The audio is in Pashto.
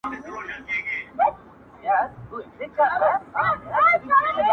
بې زوره ده ټولنه که سرتوره ده ټولنه؟